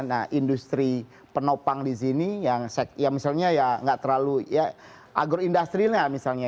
nah industri penopang di sini yang misalnya ya nggak terlalu agroindustrial ya